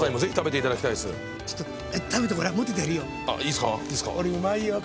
いいっすか？